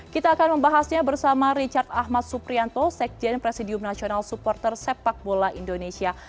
kita akan membahasnya bersama richard ahmad suprianto sekjen presidium nasional supporter sepak bola indonesia